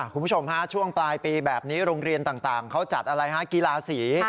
คุณผู้ชมฮะช่วงปลายปีแบบนี้โรงเรียนต่างเขาจัดอะไรฮะกีฬาสี